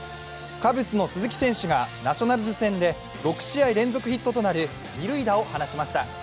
カブスの鈴木選手がナショナルズ戦で６試合連続ヒットとなる二塁打を放ちました。